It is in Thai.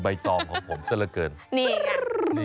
ปราบก็แบบที่วิทยาะบินนะ